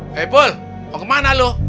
hei pul mau kemana lo